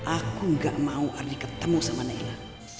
aku gak mau ardi ketemu sama naila